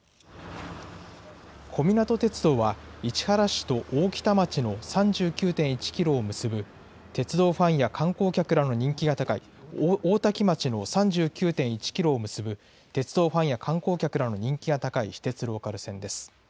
小湊鐵道は市原市とおおきたまちの３９．１キロを結ぶ、鉄道ファンや観光客らの人気が高い、大多喜町の３９．１キロを結ぶ鉄道ファンや観光客らの人気が高い私鉄ローカル線です。